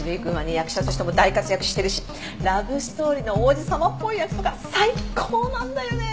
役者としても大活躍してるしラブストーリーの王子様っぽい役とか最高なんだよね！